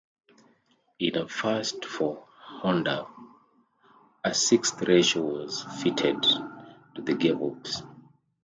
In a first for Honda, a sixth ratio was fitted to the gearbox.